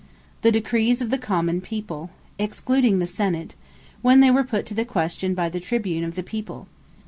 The Decrees Of The Common People (excluding the Senate,) when they were put to the question by the Tribune of the people.